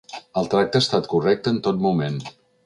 El tracte ha estat correcte en tot moment.